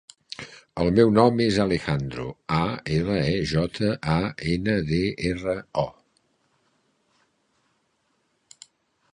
El meu nom és Alejandro: a, ela, e, jota, a, ena, de, erra, o.